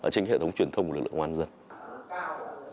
trên hệ thống truyền thông của lực lượng công an dân